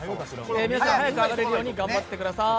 皆さん早くあがれるように頑張ってください。